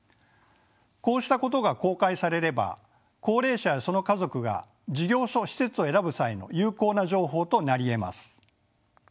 こうしたことが公開されれば高齢者やその家族が事業所・施設を選ぶ際の有効な情報となりえます。